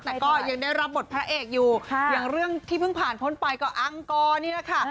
แต่ก็ยังได้รับบทพระเอกอยู่อย่างเรื่องที่เพิ่งผ่านพ้นไปก็อังกรนี่แหละค่ะ